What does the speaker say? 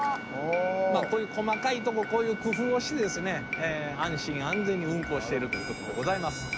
こういう細かいとここういう工夫をしてですね安心・安全に運行しているということでございます。